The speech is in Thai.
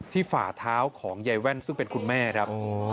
ฝ่าเท้าของยายแว่นซึ่งเป็นคุณแม่ครับ